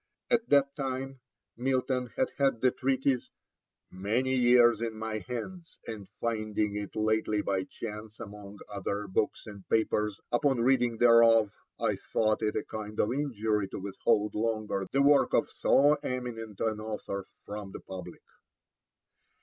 At that time Milton had had the treatise 'many years in my hands, and finding it lately by chance among other books and papers, upon reading thereof I thought it a kind of injury to withhold longer the work of so eminent an author from the public.'